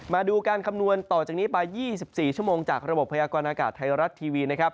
มาดูการคำนวณต่อจากนี้ไป๒๔ชั่วโมงจากระบบพยากรณากาศไทยรัฐทีวีนะครับ